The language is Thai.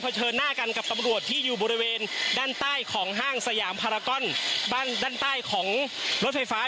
เชิญหน้ากันกับตำรวจที่อยู่บริเวณด้านใต้ของห้างสยามพารากอนด้านด้านใต้ของรถไฟฟ้า